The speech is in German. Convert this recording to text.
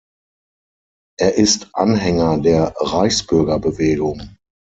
Er ist Anhänger der Reichsbürgerbewegung.